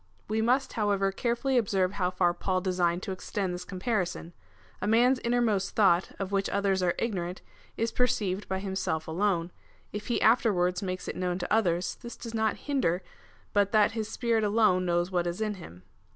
We must, however, carefully observe how far Paul designed to extend this comparison. A man's innermost thought, of which others are ignorant, is perceived by himself alone : if he afterwards makes it known to others, this does not hinder but that his spirit alone knows what is in him.